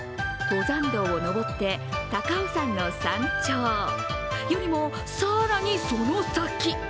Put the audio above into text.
登山道を登って高尾山の山頂よりも更にその先。